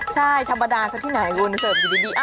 ใช่ธรรมดาซะที่ไหนรูนาเสิร์ฟดี